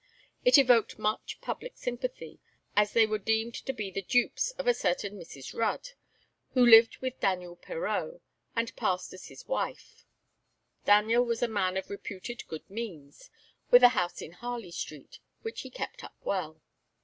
It evoked much public sympathy, as they were deemed to be the dupes of a certain Mrs. Rudd, who lived with Daniel Perreau, and passed as his wife. Daniel was a man of reputed good means, with a house in Harley Street, which he kept up well.